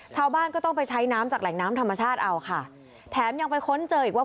ชาวบ้านก็ต้องไปใช้น้ำจากแหล่งน้ำธรรมชาติเอาค่ะแถมยังไปค้นเจออีกว่า